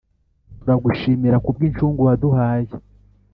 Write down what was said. Turagushimira ku bw’incungu waduhaye